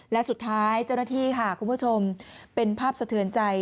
และสุดท้ายเจ้าหน้าที่ค่ะคุณผู้ชมเป็นภาพสะเทือนใจ